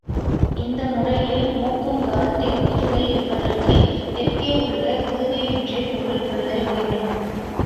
இந்த முறையில் நோக்குங்கால் தென் புதுவை என்பதற்குத் தெற்கே உள்ள புதுவை என்றே பொருள் கொள்ளல் வேண்டும்.